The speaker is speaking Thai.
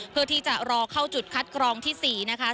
เพื่อที่จะรอเข้าจุดคัดกรองที่๔นะคะ